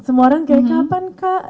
semua orang kayak kapan kak